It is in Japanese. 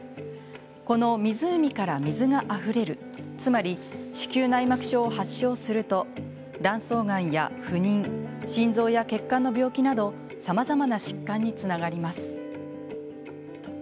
この湖から水があふれるつまり子宮内膜症を発症すると卵巣がんや不妊心臓や血管の病気などさまざまな疾患につながります。